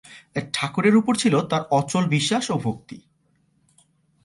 ঠাকুরের উপর ছিল তার অচল বিশ্বাস ও ভক্তি।